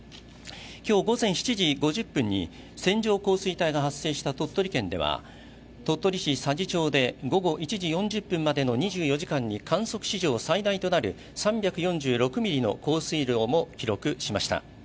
今日午前７時５０分に線状降水帯が発生した鳥取県では鳥取市佐治町で午後１時４０分までの２４時間に、観測史上最大となる３４６ミリの降水量も記録しました。